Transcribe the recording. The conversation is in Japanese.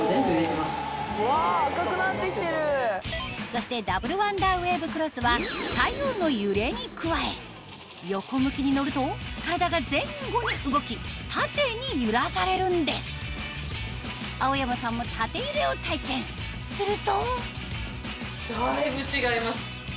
そしてダブルワンダーウェーブクロスは左右の揺れに加え横向きに乗ると体が前後に動き縦に揺らされるんです青山さんも縦揺れを体験するとだいぶ違います。